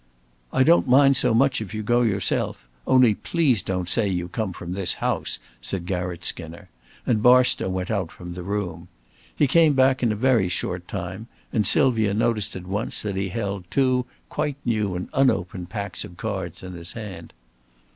"I don't mind so much if you go yourself. Only please don't say you come from this house," said Garratt Skinner, and Barstow went out from the room. He came back in a very short time, and Sylvia noticed at once that he held two quite new and unopened packs of cards in his hand.